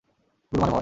গুরু মানে ভয়!